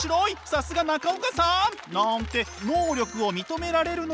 さすが中岡さん！なんて能力を認められるのが自己評価。